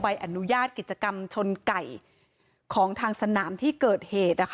อนุญาตกิจกรรมชนไก่ของทางสนามที่เกิดเหตุ